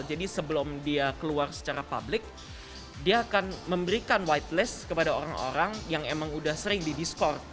jadi sebelum dia keluar secara publik dia akan memberikan whitelist kepada orang orang yang emang sudah sering di discord